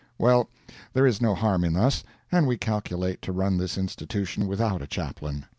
Well, there is no harm in us, and we calculate to run this institution without a Chaplain.